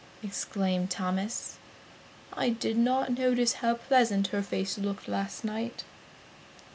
exclaimed Thomas, "I did not notice how pleasant her face looked last night!"